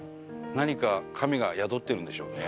何か神が宿ってるんでしょうね。